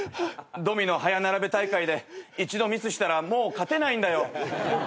ドミノ早並べ大会で一度ミスしたらもう勝てないんだよ。